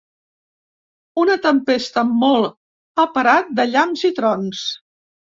Una tempesta amb molt aparat de llamps i trons.